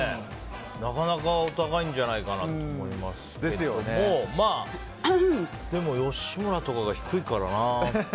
なかなかお高いんじゃないかなと思いますけどもまあ、でも吉村とかが低いからな。